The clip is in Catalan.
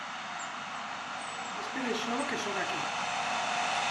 És per això que sóc aquí.